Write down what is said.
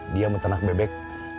dia metanak bebek